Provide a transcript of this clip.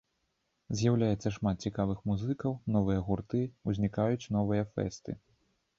З'яўляецца шмат цікавых музыкаў, новыя гурты, узнікаюць новыя фэсты.